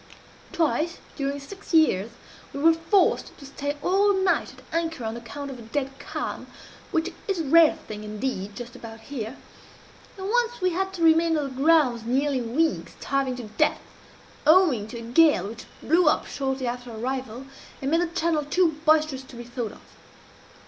Twice, during six years, we were forced to stay all night at anchor on account of a dead calm, which is a rare thing indeed just about here; and once we had to remain on the grounds nearly a week, starving to death, owing to a gale which blew up shortly after our arrival, and made the channel too boisterous to be thought of.